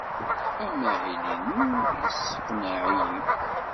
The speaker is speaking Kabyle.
Amahil-inu yesseqnaɛ-iyi.